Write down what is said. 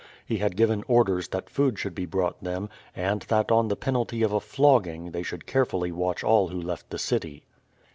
He had given orders that food should be brought them, and that on the penalty of a flogging they should carefully watch all who left the city.